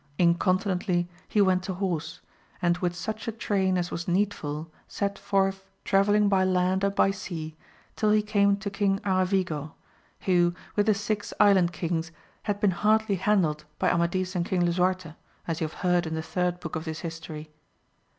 Incontinently he went to horse, and with such a train as was needful set forth travel ling by land and by sea till he came to Bang Aravigo, who with the six island kings had been hardly handled by Amadis and King Lisuarte, as you have heard in the third book of this history.